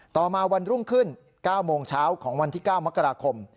ต่อมาวันรุ่งขึ้น๙โมงเช้าของวันที่๙มกราคม